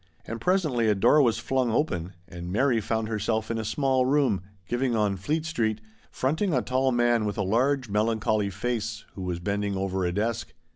And presently a door was flung open, and Mary found herself in a small room giv ing on Fleet Street, fronting a tall man with a large melancholy face, who was bending over a desk.